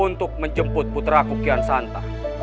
untuk menjemput putra kukian santa